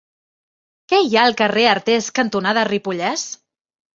Què hi ha al carrer Artés cantonada Ripollès?